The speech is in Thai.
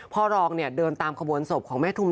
พ่อรองเนี่ยเดินตามขบวนศพของแม่ทุม